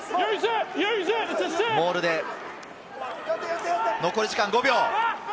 モールで、残り時間５秒。